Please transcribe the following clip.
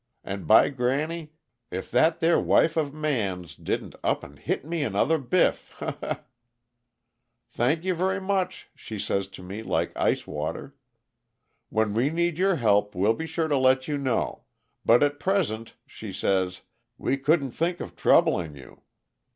And, by granny! if that there wife of Man's didn't up an' hit me another biff he he! "'Thank you very much,' she says to me, like ice water. 'When we need your help, we'll be sure to let you know but at present,' she says, 'we couldn't think of troubling you.'